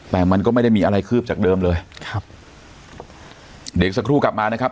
แต่มันก็ไม่ได้มีอะไรคืบจากเดิมเลยครับเดี๋ยวอีกสักครู่กลับมานะครับ